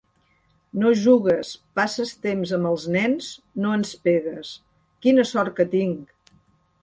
No jugues, passes temps amb els nens, no ens pegues. Quina sort que tinc!